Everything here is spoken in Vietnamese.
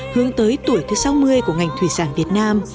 hướng tới tuổi thứ sáu mươi của ngành thủy sản việt nam